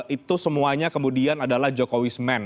itu semuanya kemudian adalah jokowismen